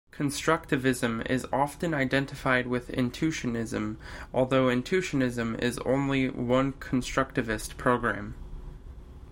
Constructivism is often identified with intuitionism, although intuitionism is only one constructivist program.